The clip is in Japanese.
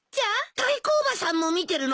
タイコおばさんも見てるの？